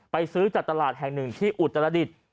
ซื้อจากตลาดแห่งหนึ่งที่อุตรดิษฐ์